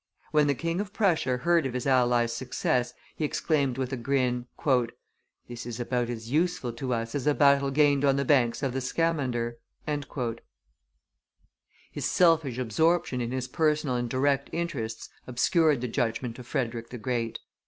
When the King of Prussia heard of his ally's success, he exclaimed with a grin, "This is about as useful to us as a battle gained on the banks of the Scamander." His selfish absorption in his personal and direct interests obscured the judgment of Frederick the Great.